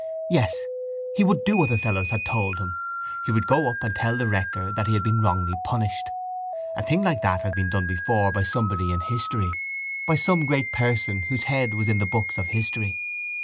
Yes, he would do what the fellows had told him. He would go up and tell the rector that he had been wrongly punished. A thing like that had been done before by somebody in history, by some great person whose head was in the books of history.